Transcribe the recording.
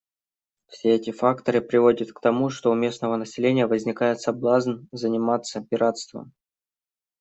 Все эти факторы приводят к тому, что у местного населения возникает соблазн заниматься пиратством.